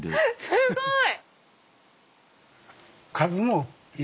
すごい！